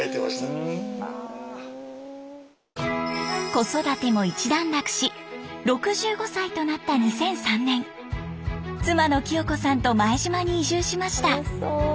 子育ても一段落し６５歳となった２００３年妻の清子さんと前島に移住しました。